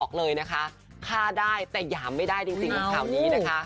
บอกเลยนะคะฆ่าได้แต่หยามไม่ได้จริงกับข่าวนี้นะคะ